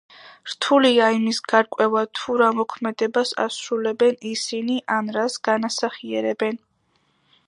რთულია იმის გარკვევა თუ რა მოქმედებას ასრულებენ ისინი ან რას განასახიერებენ.